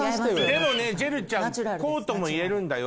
でもねジェルちゃんこうとも言えるんだよ。